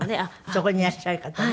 そこにいらっしゃる方ね。